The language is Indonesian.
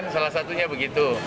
salah satunya begitu